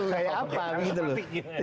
kayak apa gitu loh